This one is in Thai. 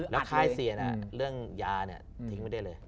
แล้วค่ายเสียเรื่องยาทิ้งไว้ได้เลย